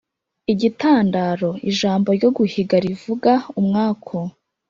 igitȃandaro: ijambo ryo guhiga rivuga umwaku